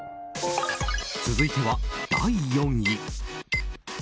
続いては、第４位。